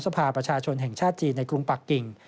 ภาประชาชนแห่งชาติจีนในกรุงปักกิ่ง